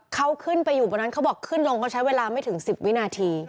เขาขึ้นไปอยู่บนนั้นเขาบอกขึ้นลงเขาใช้เวลาไม่ถึง๑๐วินาที